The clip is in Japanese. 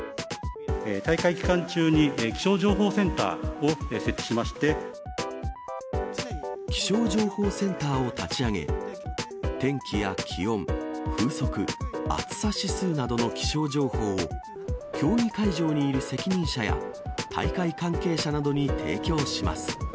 大会期間中に気象情報センタ気象情報センターを立ち上げ、天気や気温、風速、暑さ指数などの気象情報を、競技会場にいる責任者や、大会関係者などに提供します。